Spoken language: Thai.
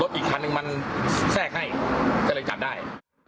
รถอีกคันนึงมันแทรกให้จริงจับได้